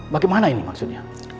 bagaimana ini maksudnya